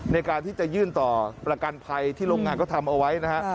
ในการที่จะยื่นต่อประกันภัยที่โรงงานก็ทำเอาไว้นะฮะ